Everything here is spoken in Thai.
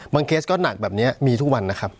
เคสก็หนักแบบนี้มีทุกวันนะครับ